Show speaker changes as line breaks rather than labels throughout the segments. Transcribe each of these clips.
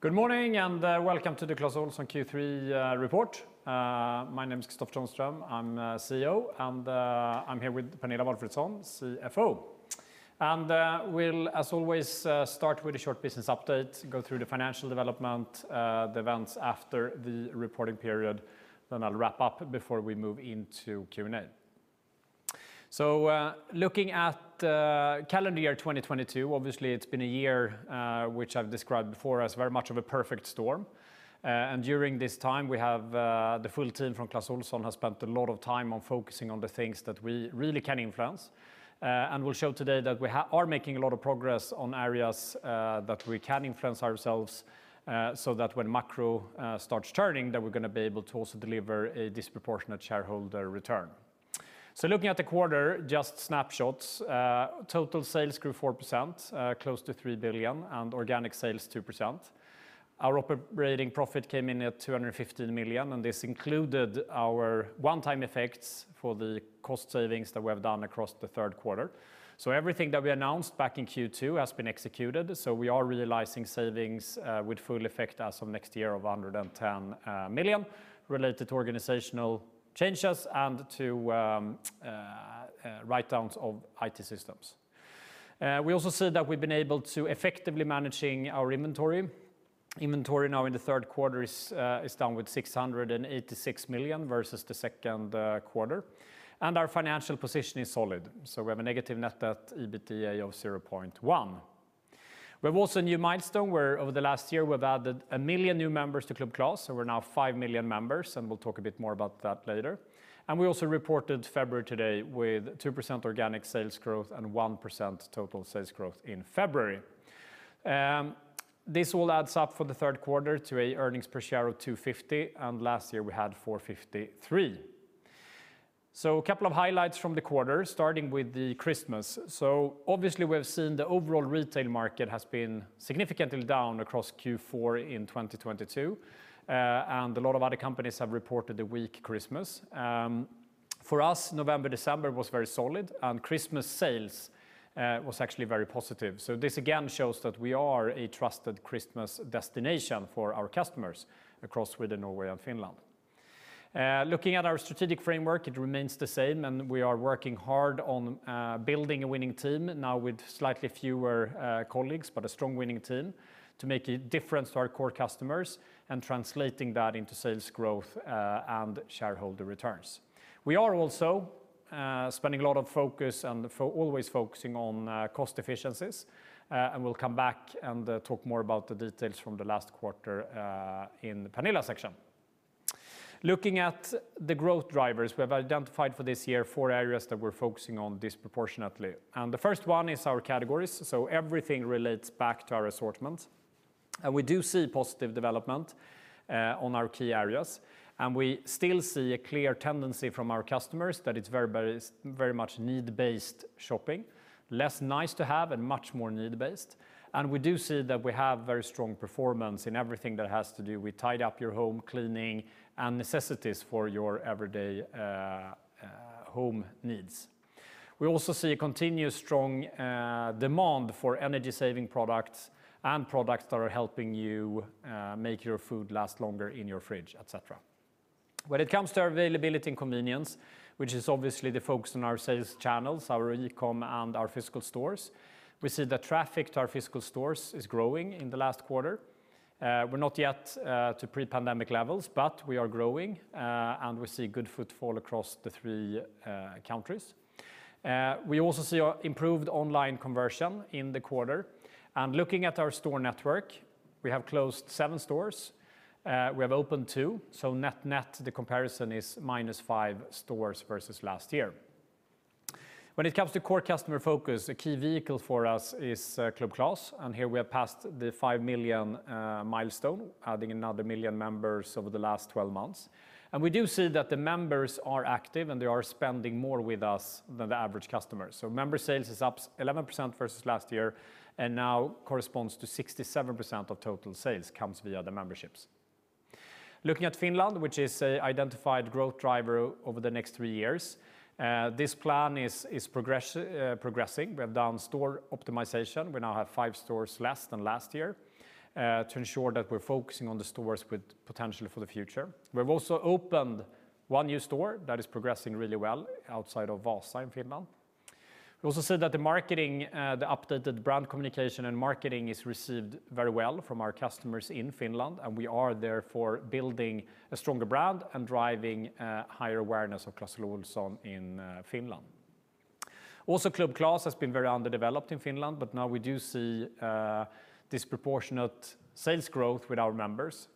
Good morning, welcome to the Clas Ohlson Q3 report. My name is Kristofer Törnström. I'm CEO, I'm here with Pernilla Walfridsson, CFO. We'll, as always, start with a short business update, go through the financial development, the events after the reporting period, then I'll wrap up before we move into Q&A. Looking at calendar year 2022, obviously it's been a year which I've described before as very much of a perfect storm. During this time, we have the full team from Clas Ohlson has spent a lot of time on focusing on the things that we really can influence. We'll show today that we are making a lot of progress on areas that we can influence ourselves, so that when macro starts turning, that we're gonna be able to also deliver a disproportionate shareholder return. Looking at the quarter, just snapshots. Total sales grew 4%, close to 3 billion, and organic sales, 2%. Our operating profit came in at 215 million, and this included our one-time effects for the cost savings that we have done across the third quarter. Everything that we announced back in Q2 has been executed, so we are realizing savings with full effect as of next year of 110 million related to organizational changes and to write downs of IT systems. We also see that we've been able to effectively managing our inventory. Inventory now in the third quarter is down with 686 million versus the second quarter. Our financial position is solid. We have a negative net debt EBITDA of 0.1. We have also a new milestone where over the last year, we've added 1 million new members to Club Clas, so we're now 5 million members, and we'll talk a bit more about that later. We also reported February today with 2% organic sales growth and 1% total sales growth in February. This all adds up for the third quarter to a earnings per share of 2.50, and last year we had 4.53. A couple of highlights from the quarter, starting with the Christmas. Obviously we have seen the overall retail market has been significantly down across Q4 in 2022. A lot of other companies have reported a weak Christmas. For us, November, December was very solid, and Christmas sales was actually very positive. This again shows that we are a trusted Christmas destination for our customers across Sweden, Norway and Finland. Looking at our strategic framework it remains the same, and we are working hard on building a winning team, now with slightly fewer colleagues, but a strong winning team, to make a difference to our core customers and translating that into sales growth and shareholder returns. We are also spending a lot of focus and always focusing on cost efficiencies, and we'll come back and talk more about the details from the last quarter in Pernilla's section. Looking at the growth drivers, we have identified for this year four areas that we're focusing on disproportionately. The first one is our categories, so everything relates back to our assortment. We do see positive development on our key areas, and we still see a clear tendency from our customers that it's very much need-based shopping, less nice to have and much more need based. We do see that we have very strong performance in everything that has to do with Tidy up your home cleaning and necessities for your everyday home needs. We also see a continuous strong demand for energy-saving products and products that are helping you make your food last longer in your fridge et cetera. When it comes to our availability and convenience, which is obviously the focus on our sales channels, our e-com and our physical stores, we see the traffic to our physical stores is growing in the last quarter. We're not yet to pre-pandemic levels, but we are growing, and we see good footfall across the three countries. Looking at our store network, we have closed seven stores. We have opened two. Net net, the comparison is five stores versus last year. When it comes to core customer focus, a key vehicle for us is Club Clas, and here we have passed the 5 million milestone, adding another 1 million members over the last 12 months. We do see that the members are active, and they are spending more with us than the average customer. Member sales is up 11% versus last year and now corresponds to 67% of total sales comes via the memberships. Looking at Finland, which is a identified growth driver over the next three years, this plan is progressing. We have done store optimization. We now have five stores less than last year, to ensure that we're focusing on the stores with potential for the future. We've also opened one new store that is progressing really well outside of Vaasa in Finland. We also see that the marketing, the updated brand communication and marketing is received very well from our customers in Finland, and we are therefore building a stronger brand and driving higher awareness of Clas Ohlson in Finland. Club Clas has been very underdeveloped in Finland, but now we do see disproportionate sales growth with our members.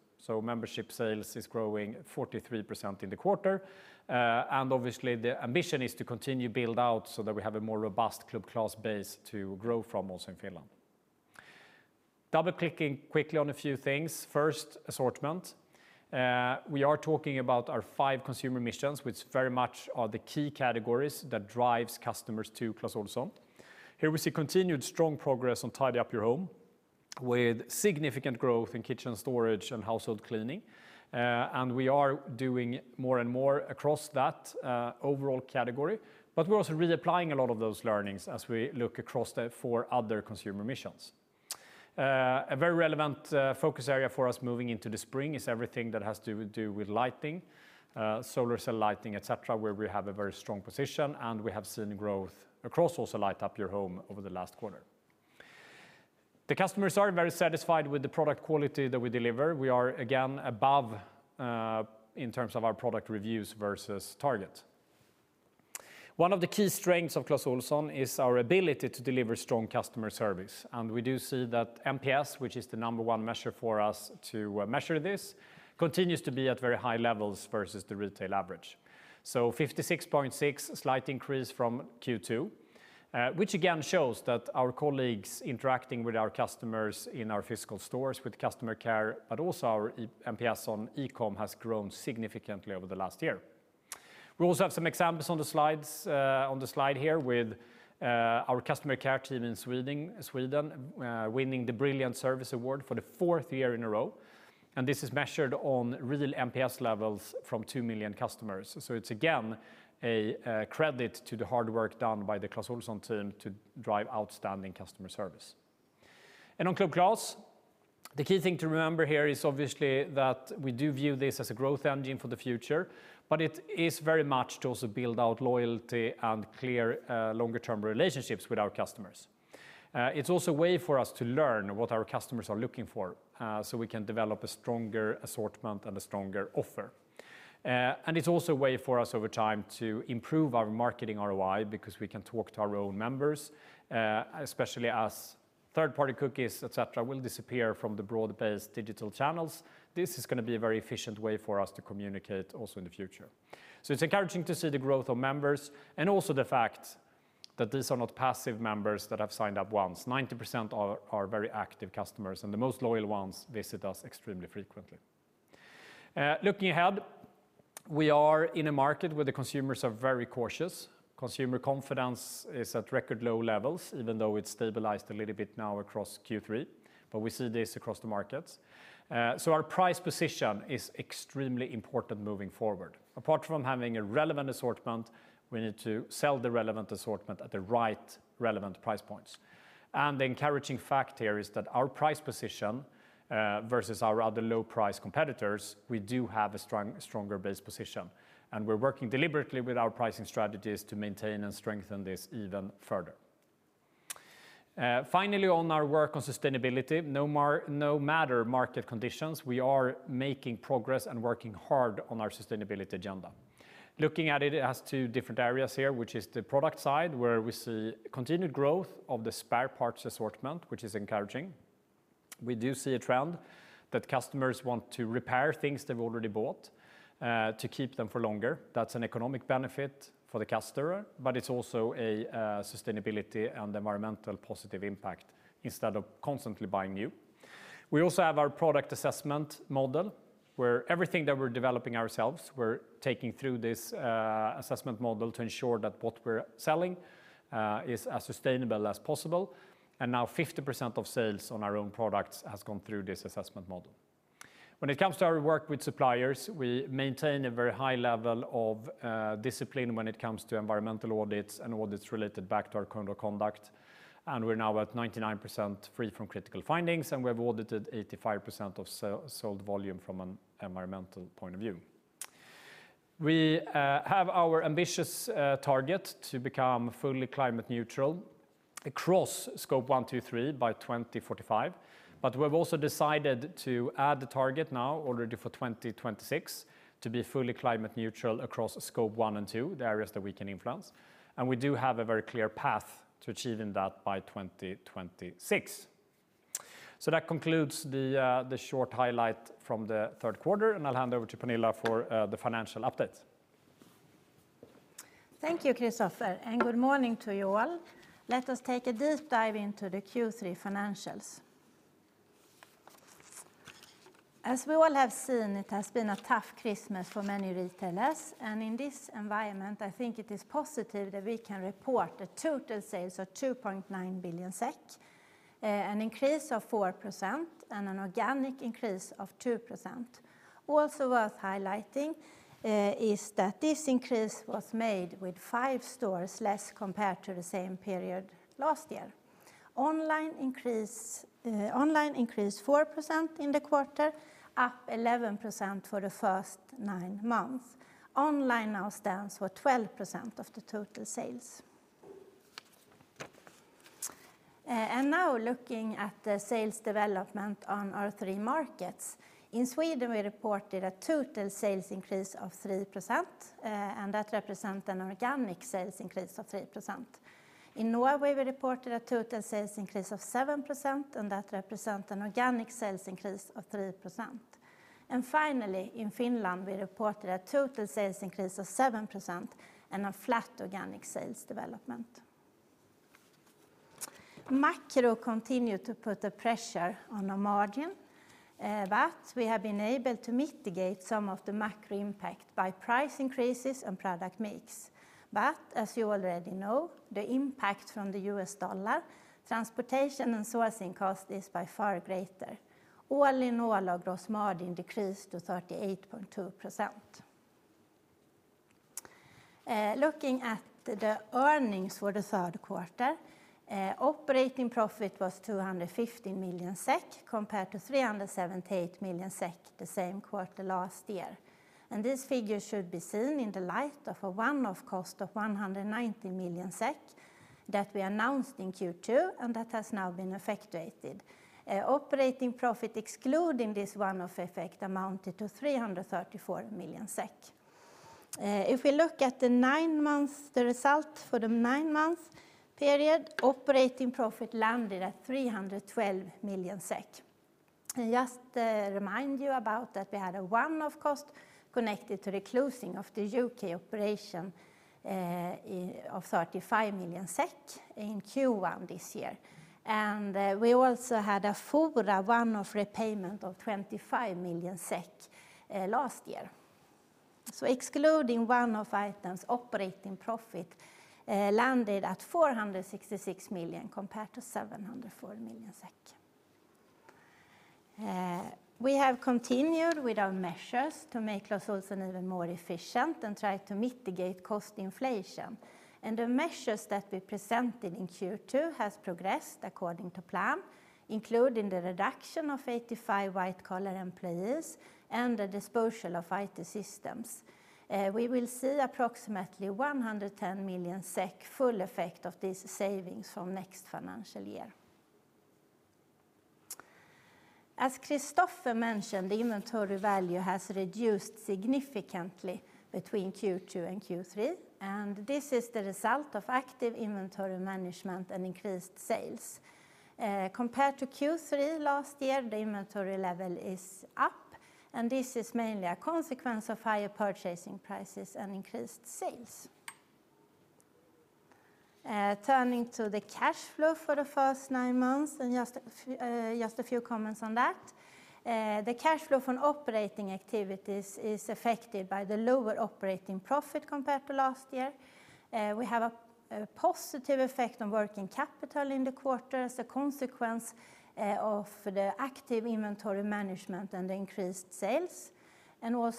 Membership sales is growing 43% in the quarter. Obviously the ambition is to continue build out so that we have a more robust Club Clas base to grow from also in Finland. Double-clicking quickly on a few things. First, assortment. We are talking about our five consumer missions, which very much are the key categories that drives customers to Clas Ohlson. Here we see continued strong progress on tidy up your home with significant growth in kitchen storage and household cleaning. We are doing more and more across that, overall category, but we're also reapplying a lot of those learnings as we look across the four other consumer missions. A very relevant focus area for us moving into the spring is everything that has to do with lighting, solar cell lighting et cetera, where we have a very strong position, and we have seen growth across also light up your home over the last quarter. The customers are very satisfied with the product quality that we deliver. We are again above, in terms of our product reviews versus target. One of the key strengths of Clas Ohlson is our ability to deliver strong customer service, and we do see that NPS, which is the number one measure for us to measure this, continues to be at very high levels versus the retail average. 56.6, slight increase from Q2, which again shows that our colleagues interacting with our customers in our physical stores with customer care, but also our NPS on e-com has grown significantly over the last year. We also have some examples on the slides on the slide here with our customer care team in Sweden winning the Brilliant Service Awards for the fourth year in a row, and this is measured on real NPS levels from 2 million customers. It's again a credit to the hard work done by the Clas Ohlson team to drive outstanding customer service. On Club Clas, the key thing to remember here is obviously that we do view this as a growth engine for the future, but it is very much to also build out loyalty and clear, longer term relationships with our customers. It's also a way for us to learn what our customers are looking for, so we can develop a stronger assortment and a stronger offer. It's also a way for us over time to improve our marketing ROI because we can talk to our own members, especially as third-party cookies, et cetera, will disappear from the broad-based digital channels. This is going to be a very efficient way for us to communicate also in the future. It's encouraging to see the growth of members and also the fact that these are not passive members that have signed up once. 90% are very active customers. The most loyal ones visit us extremely frequently. Looking ahead, we are in a market where the consumers are very cautious. Consumer confidence is at record low levels, even though it's stabilized a little bit now across Q3. We see this across the markets. Our price position is extremely important moving forward. Apart from having a relevant assortment, we need to sell the relevant assortment at the right relevant price points. The encouraging fact here is that our price position versus our other low price competitors, we do have a stronger base position. We're working deliberately with our pricing strategies to maintain and strengthen this even further. Finally, on our work on sustainability, no matter market conditions, we are making progress and working hard on our sustainability agenda. Looking at it has two different areas here, which is the product side where we see continued growth of the spare parts assortment, which is encouraging. We do see a trend that customers want to repair things they've already bought, to keep them for longer. That's an economic benefit for the customer, but it's also a sustainability and environmental positive impact instead of constantly buying new. We also have our product assessment model, where everything that we're developing ourselves, we're taking through this assessment model to ensure that what we're selling is as sustainable as possible, and now 50% of sales on our own products has gone through this assessment model. When it comes to our work with suppliers, we maintain a very high level of discipline when it comes to environmental audits and audits related back to our code of conduct, and we're now at 99% free from critical findings, and we have audited 85% of sold volume from an environmental point of view. We have our ambitious target to become fully climate neutral across Scope 1, 2, 3 by 2045, but we've also decided to add the target now already for 2026 to be fully climate neutral across Scope 1 and 2, the areas that we can influence, and we do have a very clear path to achieving that by 2026. That concludes the short highlight from the third quarter and I'll hand over to Pernilla for the financial update.
Thank you Kristofer good morning to you all. Let us take a deep dive into the Q3 financials. As we all have seen, it has been a tough Christmas for many retailers, in this environment, I think it is positive that we can report that total sales are 2.9 billion SEK, an increase of 4% and an organic increase of 2%. Also worth highlighting is that this increase was made with five stores less compared to the same period last year. Online increased 4% in the quarter, up 11% for the first nine months. Online now stands for 12% of the total sales. Now looking at the sales development on our three markets. In Sweden we reported a total sales increase of 3%, that represent an organic sales increase of 3%. In Norway we reported a total sales increase of 7%, that represent an organic sales increase of 3%. Finally, in Finland we reported a total sales increase of 7% and a flat organic sales development. Macro continued to put the pressure on the margin, we have been able to mitigate some of the macro impact by price increases and product mix. As you already know, the impact from the US dollar, transportation and sourcing cost is by far greater. All in all, our gross margin decreased to 38.2%. Looking at the earnings for the third quarter, operating profit was 250 million SEK compared to 378 million SEK the same quarter last year. This figure should be seen in the light of a one-off cost of 190 million SEK that we announced in Q2 and that has now been effectuated. Operating profit excluding this one-off effect amounted to 334 million SEK. If we look at the nine months, the result for the nine month period, operating profit landed at 312 million SEK. Just remind you about that we had a one-off cost connected to the closing of the UK operation, of 35 million SEK in Q1 this year. We also had a full one-off repayment of 25 million SEK last year. Excluding one-off items, operating profit landed at 466 million compared to 704 million SEK. We have continued with our measures to make Clas Ohlson even more efficient and try to mitigate cost inflation. The measures that we presented in Q2 has progressed according to plan, including the reduction of 85 white-collar employees and the dispersal of IT systems. We will see approximately 110 million SEK full effect of these savings from next financial year. As Kristofer Törnström mentioned, the inventory value has reduced significantly between Q2 and Q3, and this is the result of active inventory management and increased sales. Compared to Q3 last year, the inventory level is up, this is mainly a consequence of higher purchasing prices and increased sales. Turning to the cash flow for the first nine months, just a few comments on that. The cash flow from operating activities is affected by the lower operating profit compared to last year. We have a positive effect on working capital in the quarter as a consequence of the active inventory management and increased sales.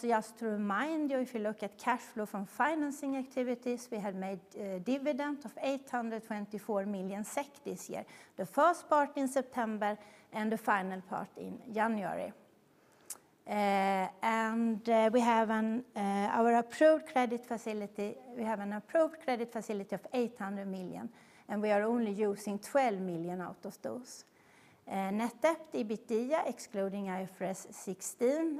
Just to remind you, if you look at cash flow from financing activities, we have made a dividend of 824 million SEK this year, the first part in September and the final part in January. We have an approved credit facility of 800 million, and we are only using 12 million out of those. Net debt EBITDA excluding IFRS 16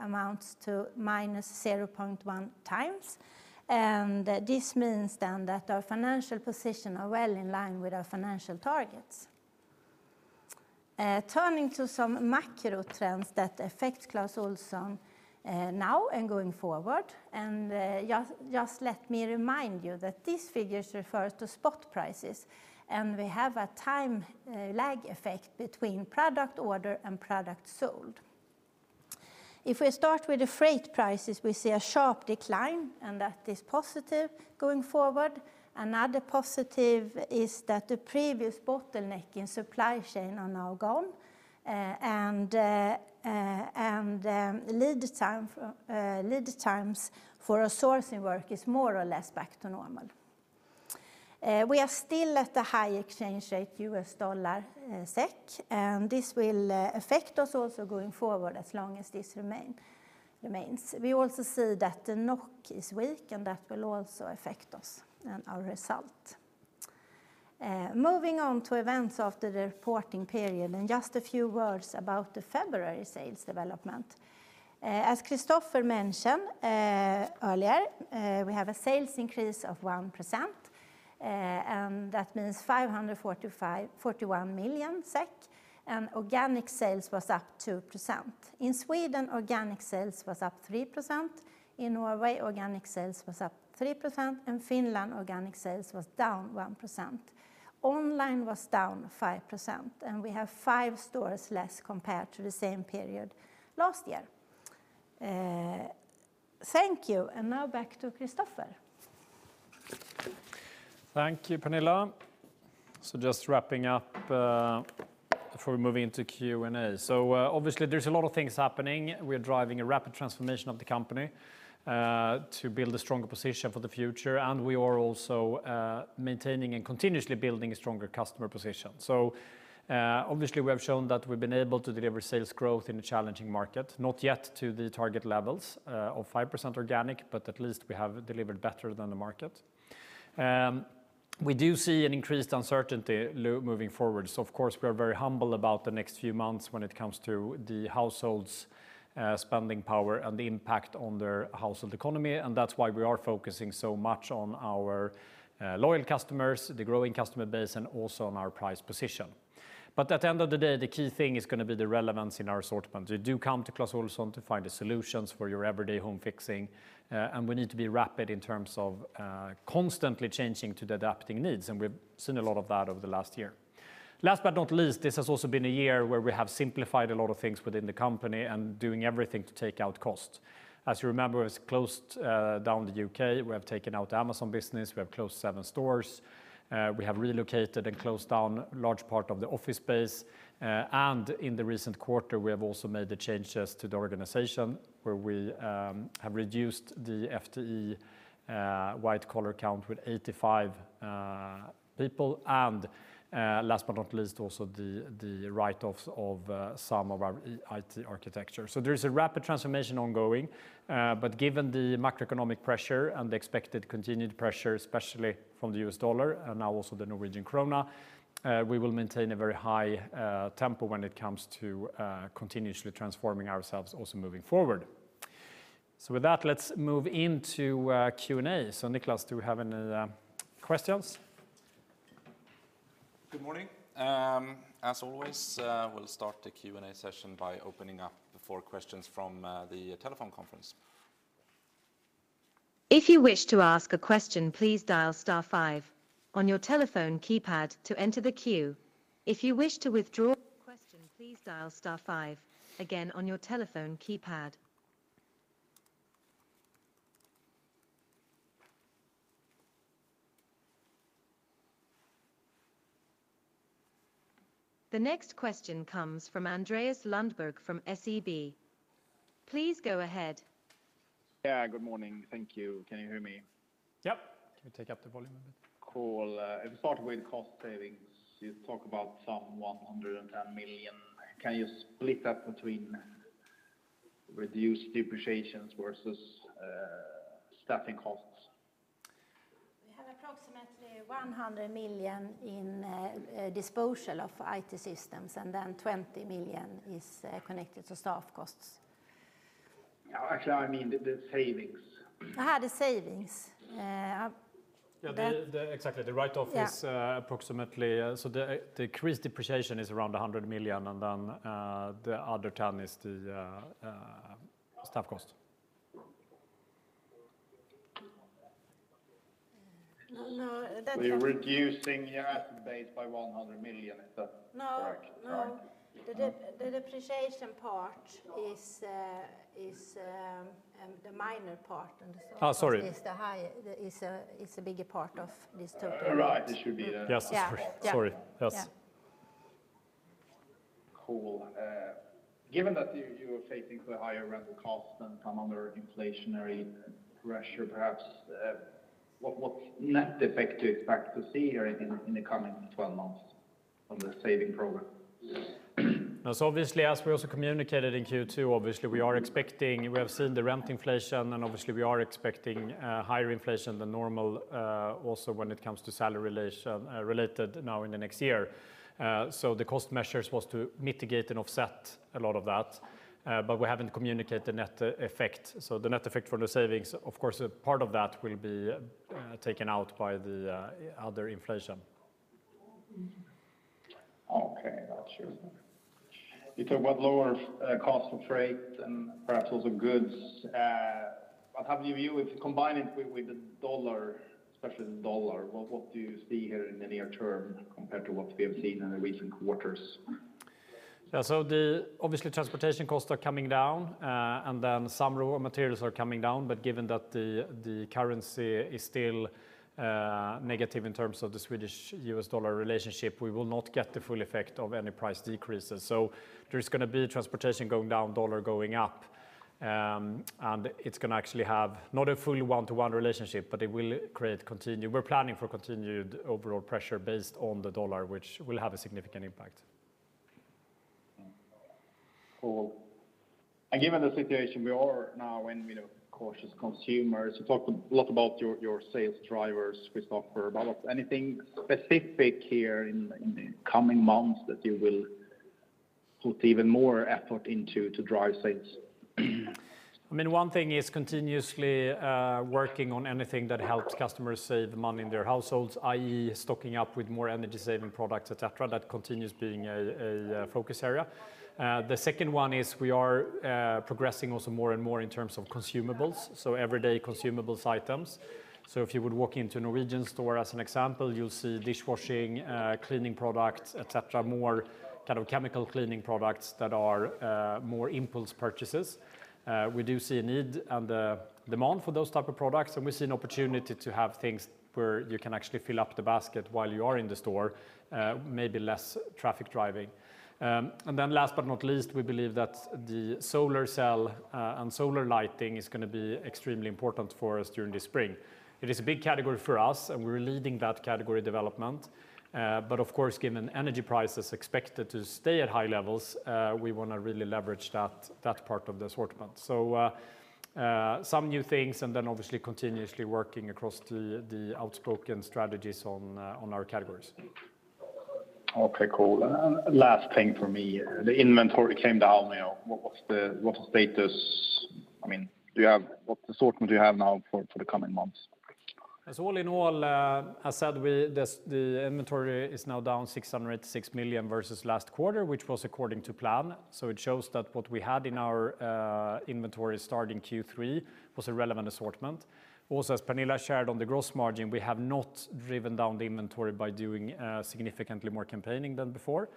amounts to -0.1x, and this means then that our financial position are well in line with our financial targets. Turning to some macro trends that affect Clas Ohlson now and going forward, just let me remind you that these figures refer to spot prices, and we have a time lag effect between product order and product sold. If we start with the freight prices we see a sharp decline, and that is positive going forward. Another positive is that the previous bottleneck in supply chain are now gone, and lead times for our sourcing work is more or less back to normal. We are still at a high exchange rate US dollar, SEK, and this will affect us also going forward as long as this remains. We also see that the NOK is weak, and that will also affect us and our result. Moving on to events after the reporting period and just a few words about the February sales development. As Kristofer Törnström mentioned earlier, we have a sales increase of 1%, and that means 545.41 million SEK, and organic sales was up 2%. In Sweden, organic sales was up 3%. In Norway, organic sales was up 3%. In Finland, organic sales was down 1%. Online was down 5%, and we have five stores less compared to the same period last year. Thank you and now back to Kristofer.
Thank you Pernilla just wrapping up before we move into Q&A. Obviously there's a lot of things happening. We're driving a rapid transformation of the company, to build a stronger position for the future, and we are also, maintaining and continuously building a stronger customer position. Obviously we have shown that we've been able to deliver sales growth in a challenging market, not yet to the target levels, of 5% organic, but at least we have delivered better than the market. We do see an increased uncertainty moving forward. Of course we are very humble about the next few months when it comes to the households' spending power and the impact on their household economy, and that's why we are focusing so much on our loyal customers, the growing customer base, and also on our price position. At the end of the day, the key thing is gonna be the relevance in our assortment. You do come to Clas Ohlson to find the solutions for your everyday home fixing, and we need to be rapid in terms of constantly changing to the adapting needs, and we've seen a lot of that over the last year. Last but not least, this has also been a year where we have simplified a lot of things within the company and doing everything to take out cost. As you remember, it's closed down the U.K. We have taken out Amazon business. We have closed seven stores. We have relocated and closed down large part of the office space and in the recent quarter we have also made the changes to the organization where we have reduced the FTE white collar count with 85 people and last but not least also the write-offs of some of our IT architecture. There is a rapid transformation ongoing, but given the macroeconomic pressure and the expected continued pressure especially from the US dollar and now also the Norwegian krona, we will maintain a very high tempo when it comes to continuously transforming ourselves also moving forward. With that let's move into Q&A. Niklas, do we have any questions? Good morning. As always, we'll start the Q&A session by opening up the floor questions from the telephone conference.
If you wish to ask a question, please dial star five on your telephone keypad to enter the queue. If you wish to withdraw a question, please dial star five again on your telephone keypad. The next question comes from Andreas Lundberg from SEB. Please go ahead.
Good morning thank you can you hear me?
Yep. Can you take up the volume a bit?
Cool I'll start with cost savings. You talk about some 110 million. Can you split that between reduced depreciations versus staffing costs?
We have approximately 100 million in disposal of IT systems 20 million is connected to staff costs.
Actually I mean the savings.
The savings.
Yeah, Exactly, the write-off is-
Yeah
Approximately, so the increased depreciation is around 100 million, and then the other 10 million is the staff cost.
No, that's-
You're reducing your asset base by 100 million. Is that correct?
No, no. The depreciation part is the minor part.
Oh, sorry.
his is a bigger part of this total.
All right. It should be.
Yes, sorry. Yes.
Yeah. Yeah.
Cool. Given that you are facing the higher rental costs and some other inflationary pressure perhaps what net effect do you expect to see here in the coming 12 months on the saving program?
Obviously, as we also communicated in Q2, obviously we are expecting. We have seen the rent inflation, and obviously we are expecting higher inflation than normal, also when it comes to salary relation, related now in the next year. The cost measures was to mitigate and offset a lot of that. We haven't communicated the net e-effect. The net effect for the savings, of course, part of that will be taken out by the other inflation.
Okay got you. You talk about lower cost of freight and perhaps also goods. How do you view if you combine it with the dollar, especially the dollar, what do you see here in the near term compared to what we have seen in the recent quarters?
Obviously, transportation costs are coming down, and then some raw materials are coming down. Given that the currency is still negative in terms of the Swedish US dollar relationship, we will not get the full effect of any price decreases. There's gonna be transportation going down, dollar going up, and it's gonna actually have not a full one-to-one relationship, but it will create continued. We're planning for continued overall pressure based on the dollar, which will have a significant impact.
Cool. Given the situation we are now in, you know, cautious consumers, you talked a lot about your sales drivers Kristoffer, but anything specific here in the coming months that you will put even more effort into to drive sales?
I mean, one thing is continuously working on anything that helps customers save money in their households i.e. stocking up with more energy-saving products, et cetera. That continues being a focus area. The second one is we are progressing also more and more in terms of consumables, so everyday consumables items. If you would walk into a Norwegian store, as an example, you'll see dishwashing, cleaning products, et cetera, more kind of chemical cleaning products that are more impulse purchases. We do see a need and the demand for those type of products, and we see an opportunity to have things where you can actually fill up the basket while you are in the store, maybe less traffic driving. Last but not least, we believe that the solar cell and solar lighting is gonna be extremely important for us during the spring. It is a big category for us, and we're leading that category development. Of course, given energy prices expected to stay at high levels, we wanna really leverage that part of the assortment. Some new things and then obviously continuously working across the outspoken strategies on our categories.
Okay, cool. Last thing for me, the inventory came down, you know. What's the status? I mean, what assortment do you have now for the coming months?
All in all, as said, the inventory is now down 686 million versus last quarter, which was according to plan. It shows that what we had in our inventory starting Q3 was a relevant assortment. As Pernilla shared on the gross margin, we have not driven down the inventory by doing significantly more campaigning than before.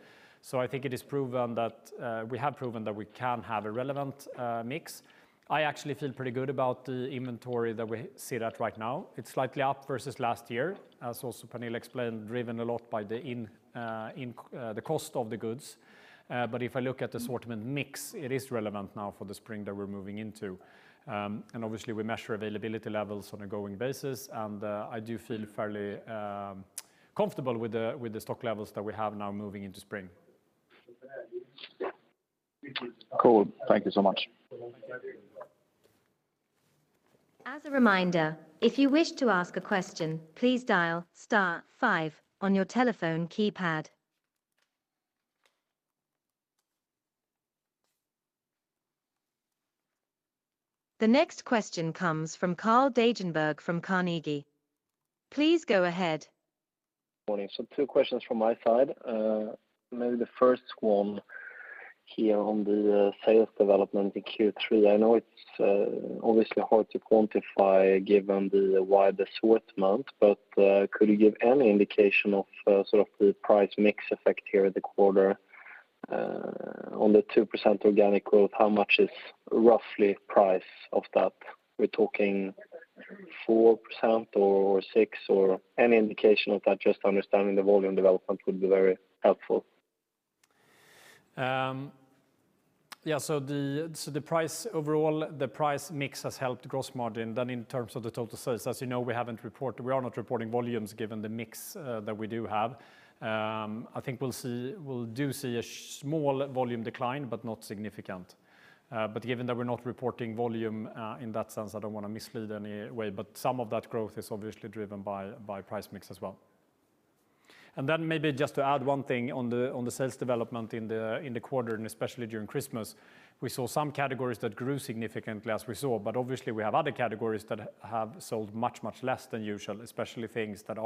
I think it is proven that we have proven that we can have a relevant mix. I actually feel pretty good about the inventory that we sit at right now. It's slightly up versus last year, as also Pernilla explained, driven a lot by the cost of the goods. If I look at the assortment mix, it is relevant now for the spring that we're moving into. Obviously we measure availability levels on a going basis, and I do feel fairly comfortable with the stock levels that we have now moving into spring.
Cool. Thank you so much.
As a reminder, if you wish to ask a question, please dial star five on your telephone keypad. The next question comes from Carl-Johan Dagerberg from Carnegie. Please go ahead.
Morning. two questions from my side. maybe the first one here on the sales development in Q3. I know it's obviously hard to quantify given the wider sort month, but could you give any indication of sort of the price mix effect here at the quarter on the 2% organic growth? How much is roughly price of that? We're talking 4% or 6% or any indication of that, just understanding the volume development would be very helpful.
Yeah. The price overall, the price mix has helped gross margin. In terms of the total sales, as you know, we haven't reported. We are not reporting volumes given the mix that we do have. I think we'll do see a small volume decline, but not significant. But given that we're not reporting volume in that sense, I don't wanna mislead any way, but some of that growth is obviously driven by price mix as well. Maybe just to add one thing on the sales development in the quarter, and especially during Christmas. We saw some categories that grew significantly as we saw, but obviously we have other categories that have sold much less than usual, especially things that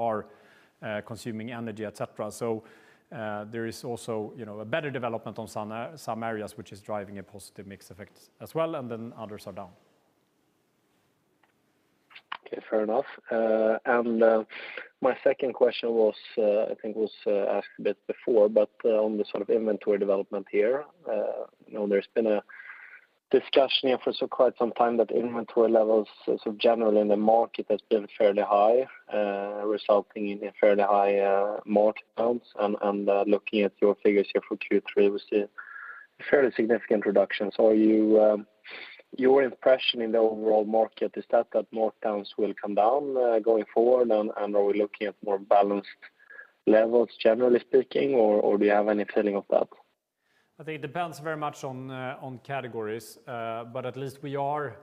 are consuming energy, et cetera. There is also, you know, a better development on some areas which is driving a positive mix effect as well, and then others are down.
Okay, fair enough. My second question was, I think was asked a bit before, but on the sort of inventory development here. You know, there's been a discussion here for so quite some time that inventory levels sort of generally in the market has been fairly high, resulting in a fairly high, markdowns. Looking at your figures here for Q3, we see fairly significant reductions. Are you, your impression in the overall market is that markdowns will come down going forward and are we looking at more balanced levels generally speaking, or do you have any feeling of that?
I think it depends very much on categories. At least we are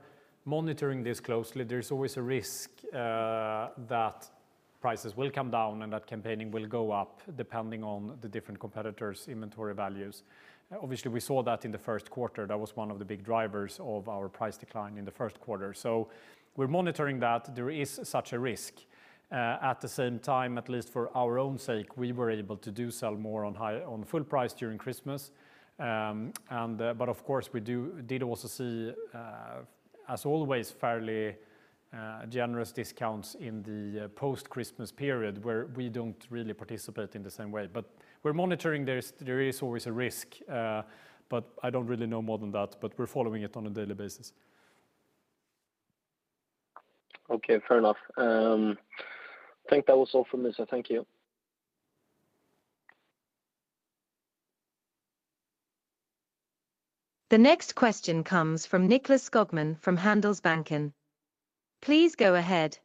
monitoring this closely. There's always a risk that prices will come down and that campaigning will go up depending on the different competitors' inventory values. Obviously, we saw that in the first quarter. That was one of the big drivers of our price decline in the first quarter. We're monitoring that there is such a risk. At the same time, at least for our own sake, we were able to do sell more on full price during Christmas. Of course, we did also see, as always, fairly generous discounts in the post-Christmas period where we don't really participate in the same way. We're monitoring. There is always a risk, but I don't really know more than that, but we're following it on a daily basis.
Okay, fair enough. Think that was all from me, so thank you.
The next question comes from Nicklas Skogman from Handelsbanken. Please go ahead.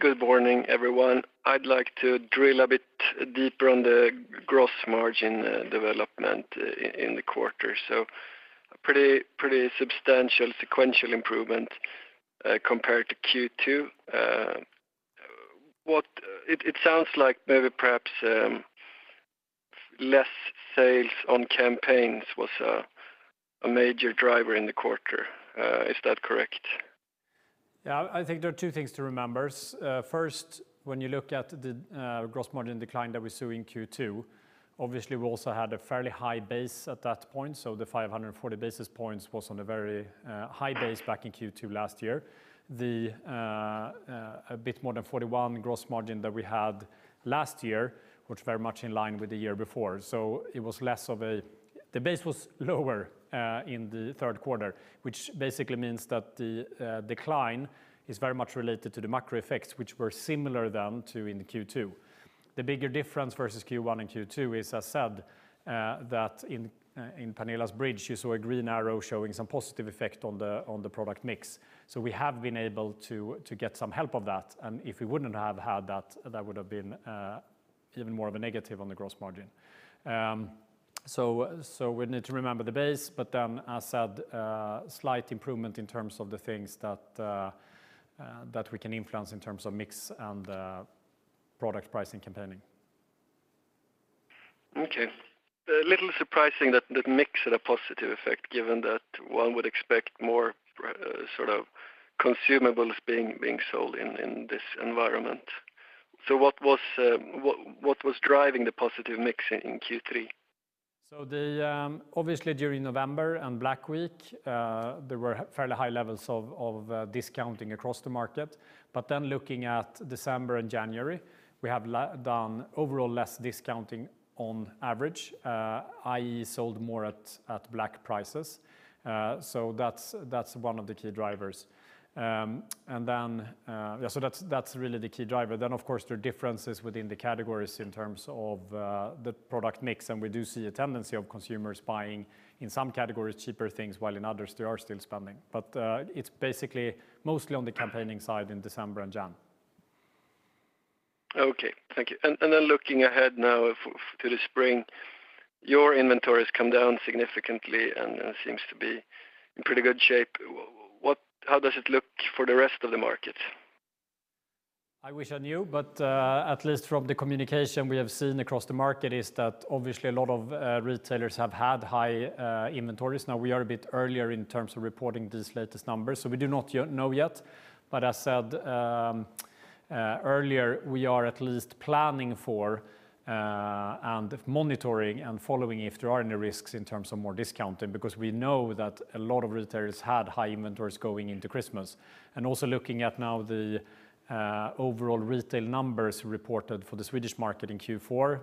Good morning, everyone. I'd like to drill a bit deeper on the gross margin development in the quarter. Pretty, pretty substantial sequential improvement compared to Q2. It sounds like maybe perhaps less sales on campaigns was a major driver in the quarter. Is that correct?
I think there are two things to remember. First, when you look at the gross margin decline that we saw in Q2, obviously we also had a fairly high base at that point, so the 540 basis points was on a very high base back in Q2 last year. The a bit more than 41% gross margin that we had last year was very much in line with the year before. It was less of a. The base was lower in the third quarter, which basically means that the decline is very much related to the macro effects, which were similar then to in the Q2. The bigger difference versus Q1 and Q2 is, as said, that in Pernilla's bridge, you saw a green arrow showing some positive effect on the, on the product mix. We have been able to get some help of that, and if we wouldn't have had that would've been even more of a negative on the gross margin. We need to remember the base, as said, slight improvement in terms of the things that we can influence in terms of mix and product pricing campaigning.
Okay. A little surprising that that mix had a positive effect, given that one would expect more sort of consumables being sold in this environment. What was driving the positive mix in Q3?
Obviously during November and Black Week, there were fairly high levels of discounting across the market. Looking at December and January, we have done overall less discounting on average, i.e. sold more at Black prices. That's one of the key drivers. That's really the key driver. Of course, there are differences within the categories in terms of the product mix, and we do see a tendency of consumers buying, in some categories, cheaper things, while in others they are still spending. It's basically mostly on the campaigning side in December and January.
Okay. Thank you. Then looking ahead now to the spring, your inventory's come down significantly and seems to be in pretty good shape. How does it look for the rest of the market?
I wish I knew, but, at least from the communication we have seen across the market is that obviously a lot of retailers have had high inventories. Now, we are a bit earlier in terms of reporting these latest numbers, so we do not know yet. As said, earlier, we are at least planning for and monitoring and following if there are any risks in terms of more discounting, because we know that a lot of retailers had high inventories going into Christmas. Also looking at now the overall retail numbers reported for the Swedish market in Q4,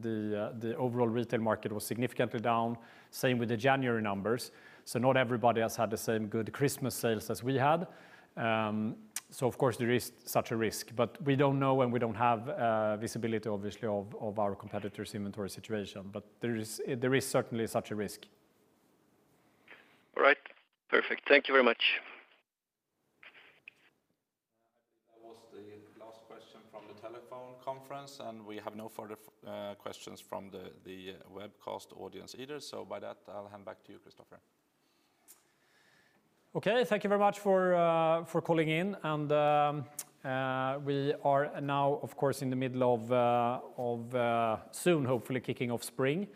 the overall retail market was significantly down, same with the January numbers. Not everybody has had the same good Christmas sales as we had. Of course there is such a risk. We don't know and we don't have visibility obviously of our competitors' inventory situation. There is certainly such a risk.
All right. Perfect. Thank you very much.
That was the last question from the telephone conference. We have no further questions from the webcast audience either. By that, I'll hand back to you, Kristofer.
Okay. Thank you very much for calling in. We are now of course in the middle of soon, hopefully kicking off spring.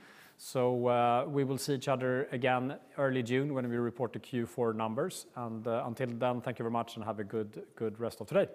We will see each other again early June when we report the Q4 numbers. Until then, thank you very much and have a good rest of today.